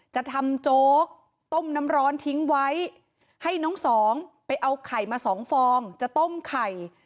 จะทำโจ๊กต้มน้ำร้อนทิ้งไว้ให้น้องสองไปเอาไข่มาสองฟองจะต้มไข่